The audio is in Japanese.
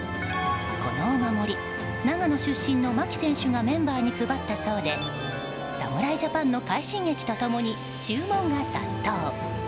このお守り、長野出身の牧選手がメンバーに配ったそうで侍ジャパンの快進撃と共に注文が殺到。